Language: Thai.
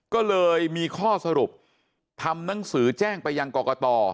ก็เลยมีข้อสรุปทำหนังสือแจ้งไปยังกรกต